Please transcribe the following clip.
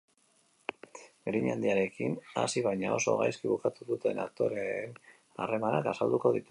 Grina handiarekin hasi baina oso gaizki bukatu duten aktoreen harremanak azalduko dituzte.